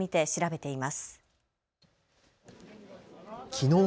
きのう